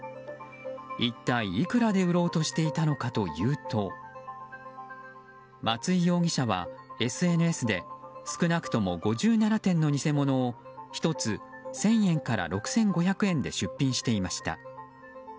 一体いくらで売ろうとしていたのかというと松井容疑者は、ＳＮＳで少なくとも５７点の偽物を１つ１０００円から６５００円で出品していました。